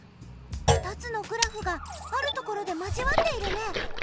２つのグラフがあるところで交わっているね。